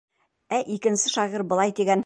Ә икенсе шағир былай тигән: